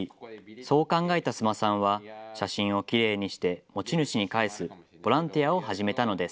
そう考えた須磨さんは、写真をきれいにして持ち主に返す、ボランティアを始めたのです。